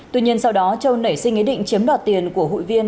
tuy nhiên sau đó châu nảy sinh ý định chiếm đoạt tiền của hụi viên